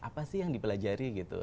apa sih yang dipelajari gitu